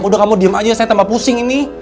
udah kamu diem aja saya tambah pusing ini